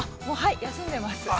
◆休んでいます。